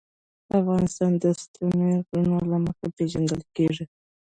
افغانستان د ستوني غرونه له مخې پېژندل کېږي.